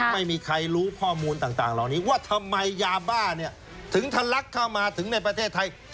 ไม่มีใครรู้ข้อมูลต่างเหล่านี้ว่าทำไมยาบ้าเนี่ยถึงทะลักเข้ามาถึงในประเทศไทย